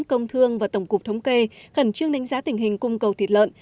công thương và tổng cục thống kê khẩn trương đánh giá tình hình cung cầu thịt lợn